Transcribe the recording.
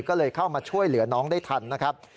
ก็เลยเข้ามาช่วยเหลือน้องได้ทันนะครับ